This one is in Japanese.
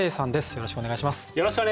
よろしくお願いします！